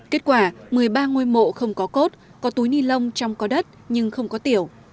kết quả một mươi ba ngôi mộ không có cốt có túi ni lông trong có đất nhưng không có tiểu